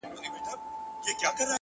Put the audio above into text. زړه مي دي خاوري سي ډبره دى زړگى نـه دی _